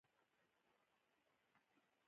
افغانستان د اسیا په زړه کي موقیعت لري